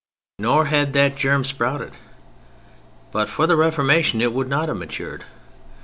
Nor had that germ sprouted. But for the Reformation it would not have matured.